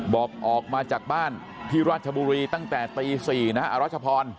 บอกออกมาจากบ้านที่ราชบุรีตั้งแต่ตี๔นะอรัชพร